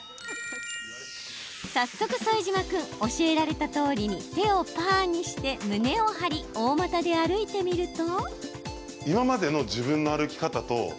早速、副島君教えられたとおりに手をパーにして、胸を張り大股で歩いてみると。